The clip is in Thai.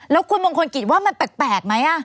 แล้วคุณมงคลกิจว่ามันแปลกไหม